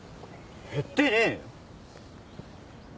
へってねえよ！